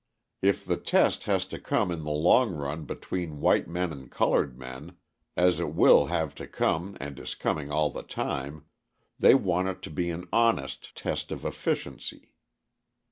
If the test has to come in the long run between white men and coloured men, as it will have to come and is coming all the time, they want it to be an honest test of efficiency.